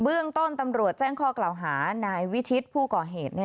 เรื่องต้นตำรวจแจ้งข้อกล่าวหานายวิชิตผู้ก่อเหตุ